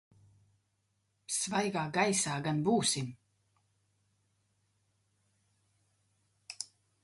Svaigā gaisā gan būsim.